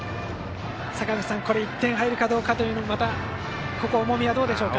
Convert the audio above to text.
坂口さん、１点入るかどうかまた、ここ重みはどうですか。